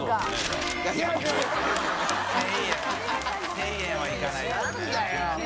１０００円はいかないですね。